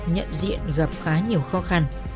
nhận diện gặp khá nhiều khó khăn